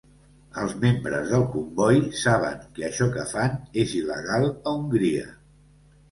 Els membres del comboi saben que això que fan és il·legal a Hongria.